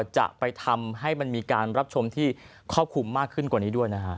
จะไปทำให้มันมีการรับชมที่ครอบคลุมมากขึ้นกว่านี้ด้วยนะฮะ